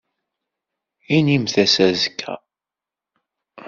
Inimt-as azekka.